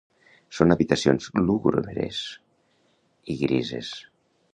Són habitacions lúgubres i grises.